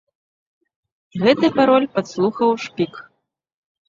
Гэты пароль падслухаў шпік.